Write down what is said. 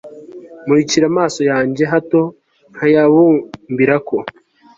murikira amaso yanjye, hato ntayabumbirako